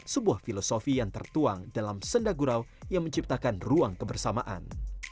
sebuah filosofi yang tertuang dalam sendagurau yang menciptakan ruang kebersamaan